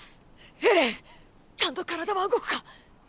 ちゃんと体は動くか？